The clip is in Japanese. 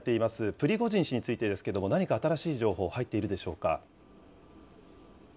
プリゴジン氏についてですけれども、何か新しい情報、入っているでしょうか。